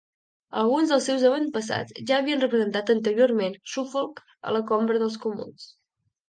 Alguns dels seus avantpassats ja havien representat anteriorment Suffolk a la Cambra dels Comuns.